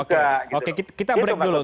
oke oke kita break dulu